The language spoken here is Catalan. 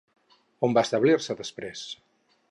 On va establir-se després?